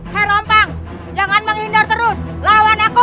hei rompang jangan menghindar terus lawan aku